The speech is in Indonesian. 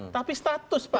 tapi status pak